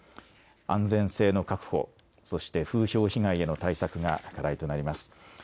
安全性の確保、そして風評被害への対策が課題となります。